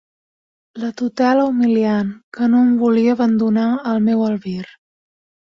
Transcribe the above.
La tutela humiliant, que no em volia abandonar al meu albir.